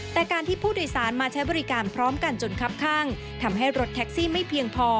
แต่การที่ผู้โดยสารมาใช้บริการพร้อมกันจนคับข้างทำให้รถแท็กซี่ไม่เพียงพอ